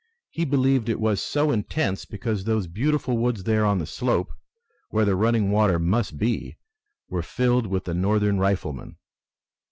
He believed it was so intense because those beautiful woods there on the slope, where the running water must be, were filled with the Northern riflemen.